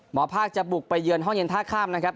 หมอภาคจะบุกไปเยือนห้องเย็นท่าข้ามนะครับ